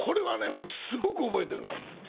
僕すごく覚えてるの。